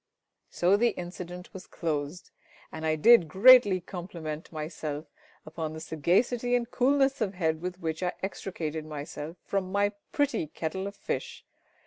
So the incident was closed, and I did greatly compliment myself upon the sagacity and coolness of head with which I extricated myself from my pretty kettle of fish.